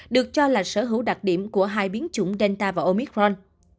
được cho là sở hữu đặc điểm của hai biến chủng delta và omicron